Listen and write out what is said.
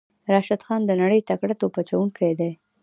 راشد خان د نړۍ تکړه توپ اچوونکی دی.